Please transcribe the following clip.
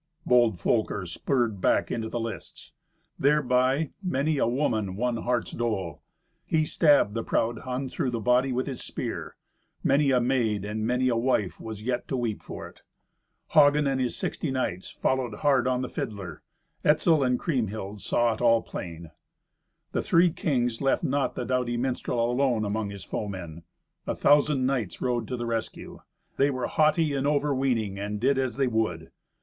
Bold Folker spurred back into the lists. Thereby many a woman won heart's dole. He stabbed the proud Hun through the body with his spear. Many a maid and many a wife was yet to weep for it. Hagen and his sixty knights followed hard on the fiddler. Etzel and Kriemhild saw it all plain. The three kings left not the doughty minstrel alone among his foemen. A thousand knights rode to the rescue. They were haughty and overweening, and did as they would.